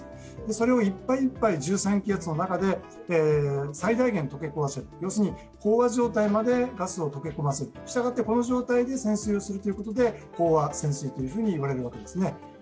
それをいっぱいいっぱい１３気圧の中で最大限飽和する、要するに飽和状態までガスを溶け込ませる、この状態で潜水をするということで飽和潜水と言われるわけですね。